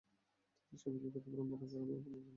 তাদের সবাইকে ক্ষতিপূরণ প্রদান করা হবে ও পুনর্বাসন করা হবে।